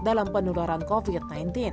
dalam penularan covid sembilan belas